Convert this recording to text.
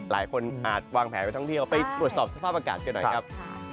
อาจวางแผนไปท่องเที่ยวไปตรวจสอบสภาพอากาศกันหน่อยครับ